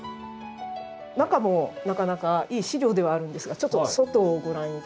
中もなかなかいい資料ではあるんですがちょっと外？